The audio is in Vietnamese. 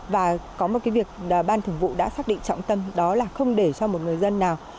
và có một cái việc ban thường vụ đã xác định trọng tâm đó là không để cho một người dân nào